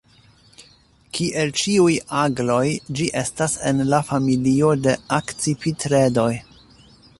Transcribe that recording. Kiel ĉiuj agloj, ĝi estas en la familio de Akcipitredoj.